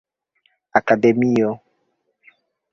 akademio